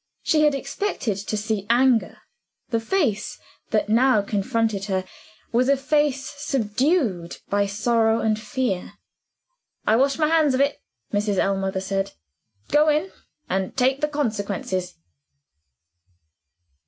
She had expected to see anger; the face that now confronted her was a face subdued by sorrow and fear. "I wash my hands of it," Mrs. Ellmother said. "Go in and take the consequences."